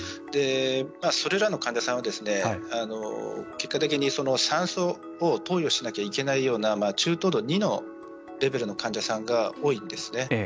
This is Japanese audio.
それらの患者さんは結果的に酸素を投与しなければいけないような中等度ＩＩのレベルの患者さんが多いんですね。